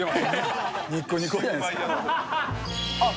あっ